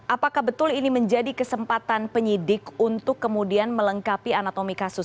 apakah betul ini menjadi kesempatan penyidik untuk kemudian melengkapi anatomi kasus